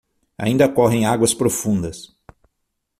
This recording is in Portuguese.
Ainda correm águas profundas